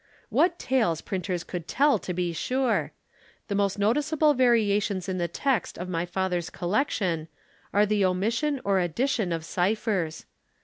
What tales printers could tell to be sure! The most noticeable variations in the text of my father's collection are the omission or addition of cyphers.